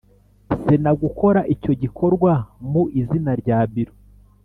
Sena gukora icyo gikorwa mu izina rya Biro